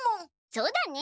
そうだね。